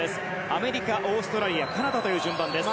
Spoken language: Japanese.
アメリカ、オーストラリアカナダという状況です。